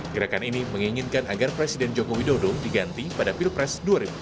gerakan ini menginginkan agar presiden joko widodo diganti pada pilpres dua ribu sembilan belas